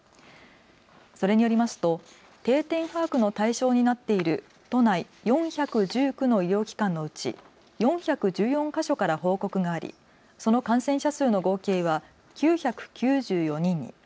それによりますと定点把握の対象になっている都内４１９の医療機関のうち４１４か所から報告があり、その感染者数の合計は９９４人に。